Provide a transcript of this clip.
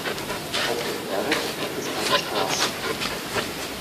Auf dem Berg gibt es keine Straßen.